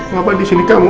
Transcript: bapak di sini kamu aman